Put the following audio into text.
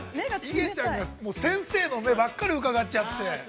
◆イゲちゃんが、先生の目ばっかりうかがっちゃって。